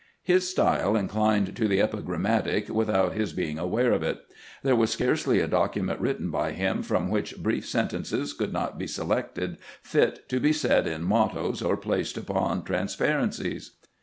His style inclined to the epigrammatic without his being aware of it. There was scarcely a document written by him from which brief sentences could not be selected fit to be set in mottos or placed upon transparencies.